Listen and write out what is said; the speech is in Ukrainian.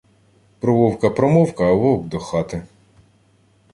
Про вовка помовка, а вовк до хати.